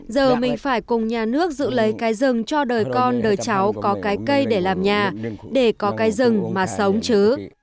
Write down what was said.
giờ mình phải cùng nhà nước giữ lấy cái rừng cho đời con đời cháu có cái cây để làm nhà để có cái rừng mà sống chứ